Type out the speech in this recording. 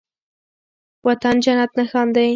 وطن جنت نښان دی